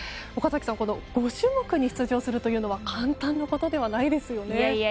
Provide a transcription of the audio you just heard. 岡崎さん、５種目に出場するのは簡単なことではないですよね。